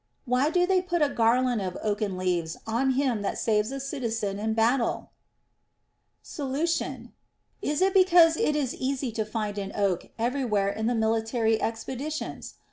Why do they put on a garland of oaken leaves on him that saves a citizen in battle ? Solution. Is it because it is easy to find an oak every where in the military expeditions